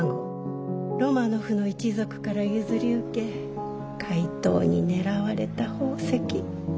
ロマノフの一族から譲り受け怪盗に狙われた宝石。